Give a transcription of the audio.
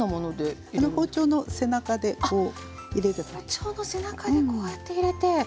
包丁の背中でこうやって入れて。